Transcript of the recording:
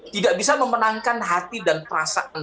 tidak bisa memenangkan hati dan perasaan